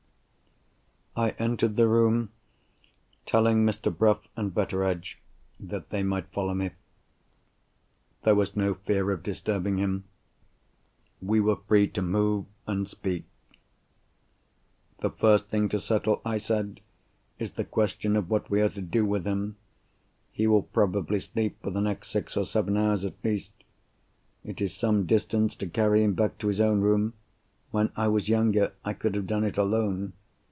I entered the room, telling Mr. Bruff and Betteredge that they might follow me. There was no fear of disturbing him. We were free to move and speak. "The first thing to settle," I said, "is the question of what we are to do with him. He will probably sleep for the next six or seven hours, at least. It is some distance to carry him back to his own room. When I was younger, I could have done it alone.